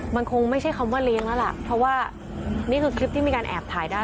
มันคงไม่ใช่คำว่าเลี้ยงแล้วล่ะเพราะว่านี่คือคลิปที่มีการแอบถ่ายได้